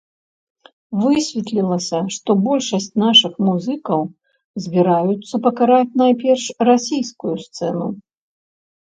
Высветлілася, што большасць нашых музыкаў збіраюцца пакараць найперш расійскую сцэну.